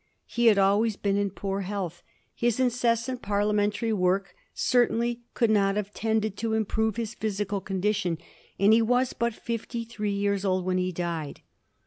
He had always been in poor health ; his incessant parlia mentary work certainly could not have tended to improve his physical condition; and he was but fifty three years old when he died.